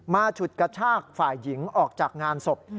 ฉุดกระชากฝ่ายหญิงออกจากงานศพ